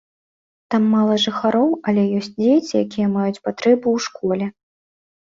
Там мала жыхароў, але ёсць дзеці, якія маюць патрэбу ў школе.